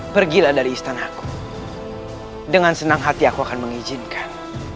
pergilah dari istanaku dengan senang hati aku akan mengizinkan